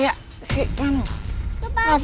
asan baru akan lewat